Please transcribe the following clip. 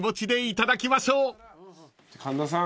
神田さん